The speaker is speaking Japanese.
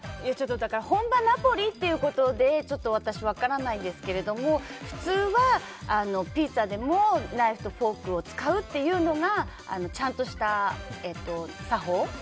本場ナポリということで私、分からないんですが普通はピッツァでもナイフとフォークを使うっていうのがちゃんとした作法？